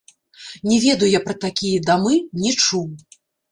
Не ведаю я пра такія дамы, не чуў.